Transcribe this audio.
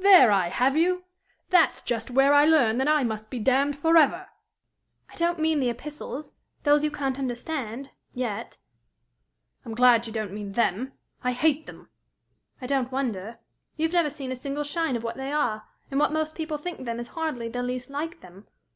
There I have you! That's just where I learn that I must be damned for ever!" "I don't mean the Epistles. Those you can't understand yet." "I'm glad you don't mean them. I hate them." "I don't wonder. You have never seen a single shine of what they are; and what most people think them is hardly the least like them.